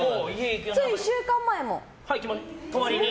つい１週間前も。